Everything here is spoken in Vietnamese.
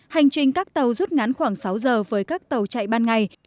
hành trình các tàu rút ngắn khoảng sáu giờ với các tàu chạy ban ngày